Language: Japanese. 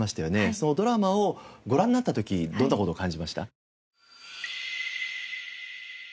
そのドラマをご覧になった時どんな事を感じました？